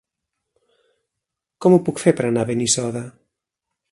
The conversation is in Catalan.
Com ho puc fer per anar a Benissoda?